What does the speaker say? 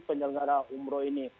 penyelenggara umroh ini